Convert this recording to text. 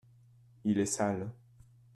il est sale.